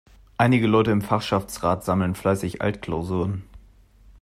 Einige Leute im Fachschaftsrat sammeln fleißig Altklausuren.